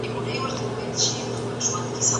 زموږ اقتصاد پخوا ډېر کمزوری و.